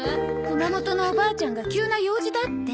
熊本のおばあちゃんが急な用事だって。